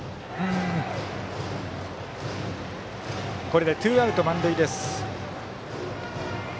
これでツーアウト満塁。